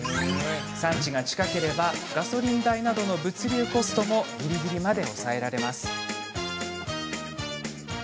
産地が近ければガソリン代などの物流コストもぎりぎりまで抑えられます。